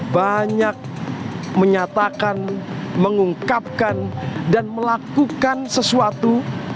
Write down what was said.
banyak menyatakan mengungkapkan dan melakukan sesuatu